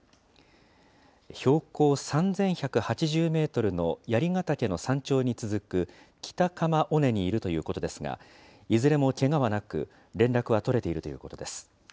標高３１８０メートルの槍ヶ岳の山頂に続く北鎌尾根にいるということですが、いずれもけがはなく、連絡は取れているということです。